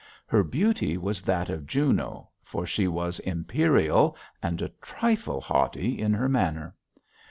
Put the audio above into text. Her beauty was that of Juno, for she was imperial and a trifle haughty in her manner.